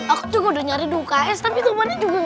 aku juga udah nyari di uks tapi temannya juga gak ada